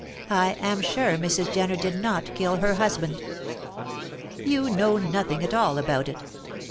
I am sure Mrs. Jenner did not kill her husband." "You know nothing at all about it.